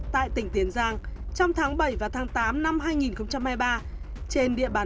tại tỉnh tiền giang trong tháng bảy và tháng tám năm hai nghìn hai mươi ba trên địa bàn huyện cái bẻ xảy ra nhiều vụ trộm cắp tài sản